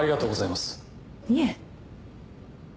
いえ。